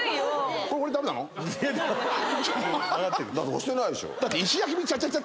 だって押してないでしょ？